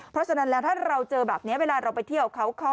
เพราะฉะนั้นแล้วถ้าเราเจอแบบนี้เวลาเราไปเที่ยวเขา